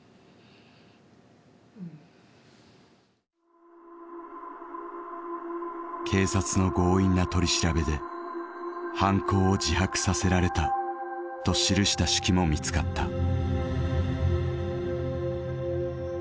まあだんだん警察の強引な取り調べで「犯行を自白させられた」と記した手記も見つかった。